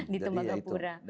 di tempat kebura